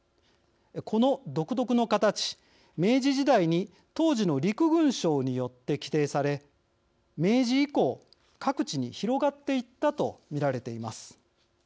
この独特の形明治時代に当時の陸軍省によって規定され明治以降各地に広がっていったと見られています。